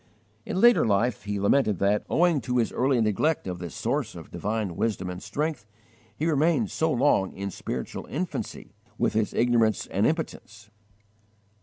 In later life he lamented that, owing to his early neglect of this source of divine wisdom and strength, he remained so long in spiritual infancy, with its ignorance and impotence.